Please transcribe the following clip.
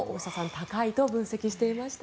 高いと分析していました。